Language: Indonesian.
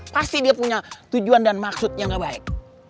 pasti dia punya tujuan dan maksud yang gak baik